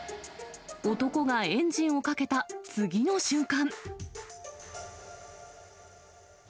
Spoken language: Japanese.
男がエンジンをかけた次の瞬間。